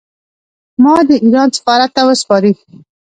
ما دې د ایران سفارت ته وسپاري.